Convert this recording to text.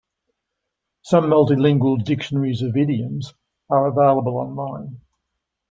Some multilingual dictionaries of idioms are available on-line.